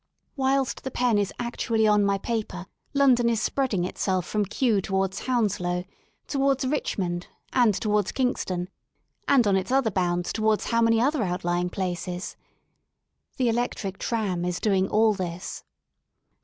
Whilst. the pen is actually on my paper London is spreading itself from Kew towards Hounslow, towards Richmond, and towards Kingston, and on its other bounds towards how many other outlying places? The electric tram is doing all this.